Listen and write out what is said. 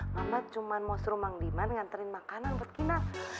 mama cuma mau suruh mang diman nganterin makanan buat kina